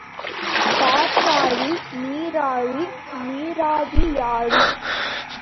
காற்றாழி, நீராழி, நீராவியாழி.